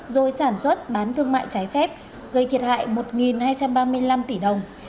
rồi sản xuất bán thương mại trái phép gây thiệt hại một hai trăm ba mươi năm tỷ đồng